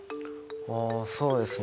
あぁそうですね